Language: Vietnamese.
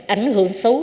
ảnh hưởng xấu